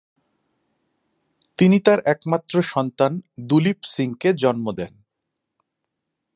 তিনি তার একমাত্র সন্তান দুলীপ সিংকে জন্ম দেন।